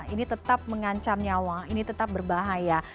ini tetap mengancam nyawa ini tetap berbahaya